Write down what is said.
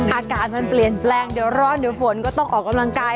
อากาศมันเปลี่ยนแปลงเดี๋ยวร้อนเดี๋ยวฝนก็ต้องออกกำลังกาย